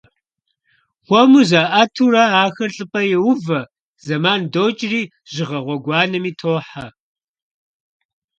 Хуэму заIэтурэ ахэр лIыпIэ йоувэ, зэман докIри жьыгъэ гъуэгуанэми тохьэ.